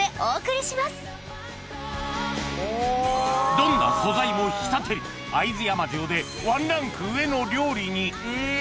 どんな素材も引き立てる会津山塩でワンランク上の料理にいい！